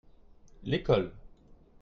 L'école.